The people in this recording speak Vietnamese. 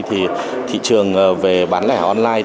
thì thị trường về bán lẻ online